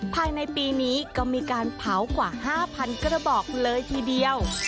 ภายในปีนี้ก็มีการเผากว่า๕๐๐๐กระบอกเลยทีเดียว